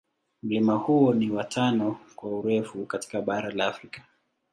Mlima huo ni wa tano kwa urefu katika bara la Afrika.